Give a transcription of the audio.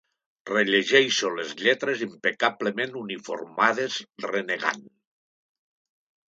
Rellegeixo les lletres impecablement uniformades renegant.